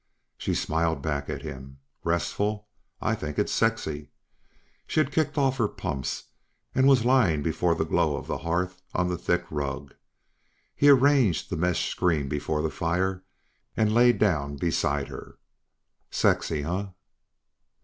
She smiled back at him. "Restful? I think it's sexy." She had kicked off her pumps and was lying before the glow of the hearth on the thick rug. He arranged the mesh screen before the fire and laid down beside her. "Sexy, huh?"